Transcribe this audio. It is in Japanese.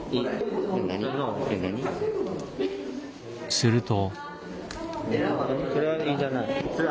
すると。